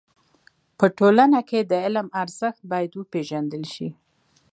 په ټولنه کي د علم ارزښت بايد و پيژندل سي.